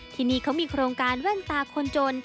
ที่นี่เขามีโครงการแว่นตาคนจน